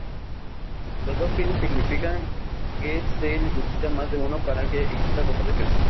Los dos pinos significan que se necesita más de uno para que exista cooperación.